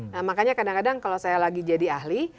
nah makanya kadang kadang kalau saya lagi jadi ahli